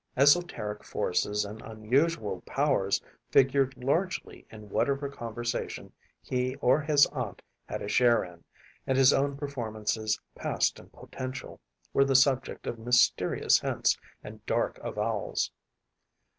Esoteric forces and unusual powers figured largely in whatever conversation he or his aunt had a share in, and his own performances, past and potential, were the subject of mysterious hints and dark avowals.